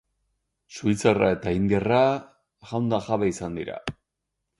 Suitzarra eta indiarra jaun eta kabe izan dira.